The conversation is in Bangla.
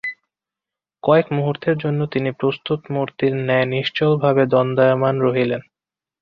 কয়েক মুহূর্তের জন্য তিনি প্রস্তরমূর্তির ন্যায় নিশ্চলভাবে দণ্ডায়মান রহিলেন।